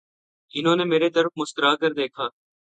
انہوں نے میرے طرف مسکرا کر دیکھا